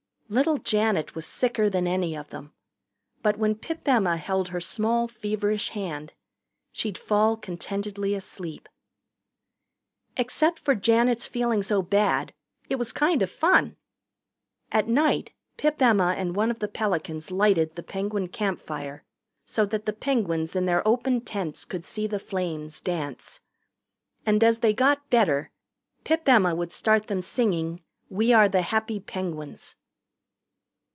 Little Janet was sicker than any of them. But when Pip Emma held her small feverish hand, she'd fall contentedly asleep. Except for Janet's feeling so bad it was kind of fun. At night Pip Emma and one of the Pelicans lighted the Penguin campfire so that the Penguins in their open tents could see the flames dance. And as they got better, Pip Emma would start them singing "We are the happy Penguins."